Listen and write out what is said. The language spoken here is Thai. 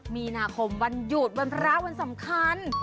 มีนาคมวันหยุดวันพระวันสำคัญ